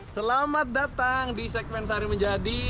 selamat datang di segmen sari menjadi